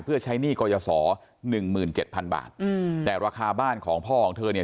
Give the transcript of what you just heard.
เพื่อใช้หนี้กรยาศร๑๗๐๐๐บาทอืมแต่ราคาบ้านของพ่อของเธอเนี่ย